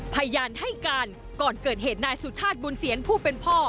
พยานให้การก่อนเกิดเหตุนายสุชาติบุญเซียนผู้เป็นพ่อ